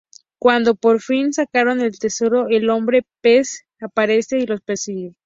Cuando por fin sacan el tesoro, el Hombre Pez aparece y los persigue.